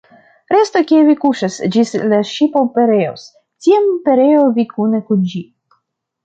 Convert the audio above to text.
Restu, kie vi kuŝas, ĝis la ŝipo pereos; tiam, pereu vi kune kun ĝi.